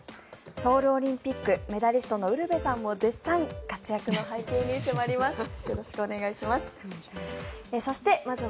ソウルオリンピックメダリストのウルヴェさんも絶賛活躍の背景に迫ります。